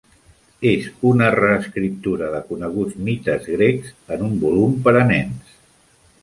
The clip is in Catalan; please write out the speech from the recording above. És una reescriptura de coneguts mites grecs en un volum per a nens.